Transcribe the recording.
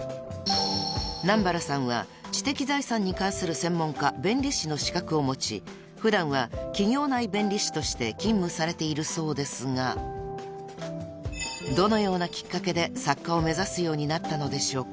［南原さんは知的財産に関する専門家弁理士の資格を持ち普段は企業内弁理士として勤務されているそうですがどのようなきっかけで作家を目指すようになったのでしょうか］